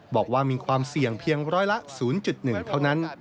บอกว่ามีความเสี่ยงเพียงร้อยละ๐๑เท่านั้น